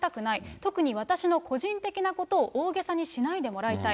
特に私の個人的なことを大げさにしないでもらいたい。